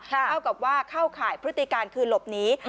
เท่ากับว่าเข้าข่ายพฤติการคือหลบหนี